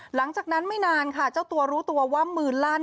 หลังจากนั้นไม่นานค่ะเจ้าตัวรู้ตัวว่ามือลั่น